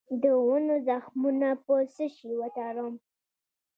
د ونو زخمونه په څه شي وتړم؟